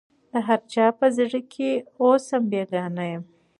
د هر چا په زړه کي اوسم بېګانه یم